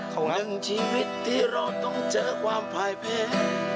หนึ่งชีวิตที่เราต้องเจอความพลายเพศ